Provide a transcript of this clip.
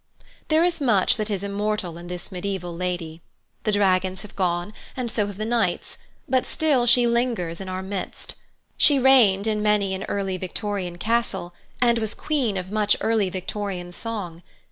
There is much that is immortal in this medieval lady. The dragons have gone, and so have the knights, but still she lingers in our midst. She reigned in many an early Victorian castle, and was Queen of much early Victorian song.